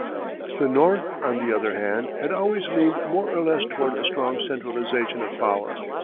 The North, on the other hand, had always leaned more or less toward a strong centralization of power.